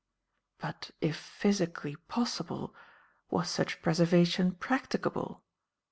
"But if physically possible, was such preservation practicable?